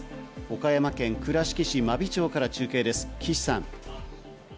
岡山県倉敷市真備町から中継です、岸さん。